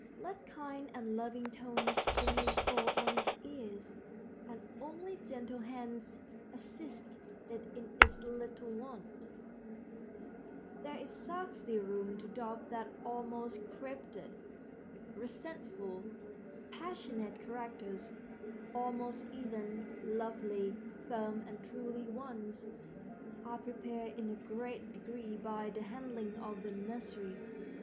Let kind and loving tones only fall on its ears, and only gentle hands assist it in its little wants. There is scarcely room to doubt that all most crabbed, resentful, passionate characters—all most even, lovely, firm, and true ones—are prepared in a great degree by the handling of the nursery.